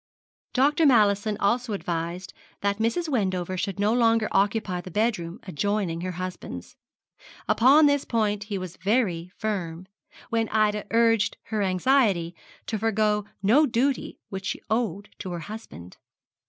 Dr. Mallison also advised that Mrs. Wendover should no longer occupy the bedroom adjoining her husband's. Upon this point he was very firm, when Ida urged her anxiety to forego no duty which she owed to her husband.